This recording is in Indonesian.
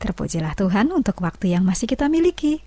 terpujilah tuhan untuk waktu yang masih kita miliki